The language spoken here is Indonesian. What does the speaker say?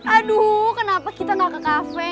aduh kenapa kita gak ke cafe